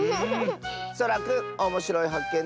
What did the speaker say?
そらくんおもしろいはっけん